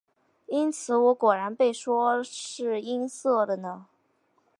因此我果然被说是音色了呢。